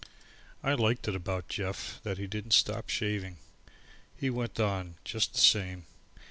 I liked it about Jeff that he didn't stop shaving. He went on just the same.